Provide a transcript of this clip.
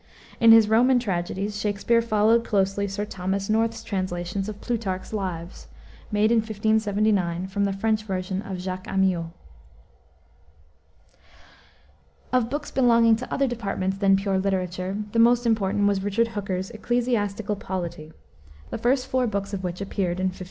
In his Roman tragedies Shakspere followed closely Sir Thomas North's translation of Plutarch's Lives, made in 1579 from the French version of Jacques Amyot. Of books belonging to other departments than pure literature, the most important was Richard Hooker's Ecclesiastical Polity, the first four books of which appeared in 1594.